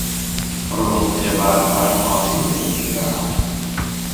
โรงพยาบาลพระนครศรีอยุธยา